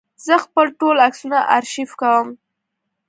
زه خپل ټول عکسونه آرشیف کوم.